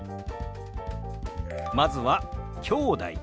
まずは「きょうだい」。